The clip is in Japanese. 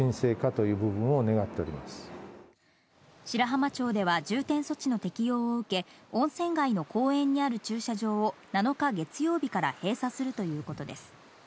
白浜町では重点措置の適用を受け温泉街の公園にある駐車場を７日月曜日から閉鎖するということです。